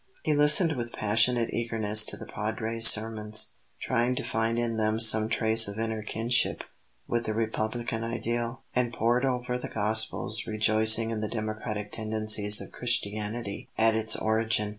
He listened with passionate eagerness to the Padre's sermons, trying to find in them some trace of inner kinship with the republican ideal; and pored over the Gospels, rejoicing in the democratic tendencies of Christianity at its origin.